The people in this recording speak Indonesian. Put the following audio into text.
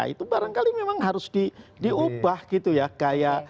itu barangkali memang harus diubah gitu ya kayak